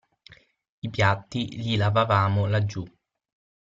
I piatti li lavavamo laggiù.